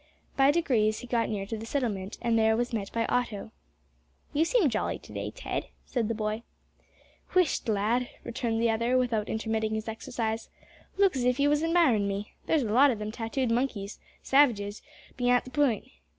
By degrees he got near to the settlement, and there was met by Otto. "You seem jolly to day, Ted," said the boy. "Whist, lad," returned the other, without intermitting his exercise. "Look as if ye was admirin' me. There's lot of them tattooed monkeys savages beyant the pint.